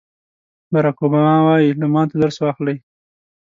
باراک اوباما وایي له ماتو درس واخلئ.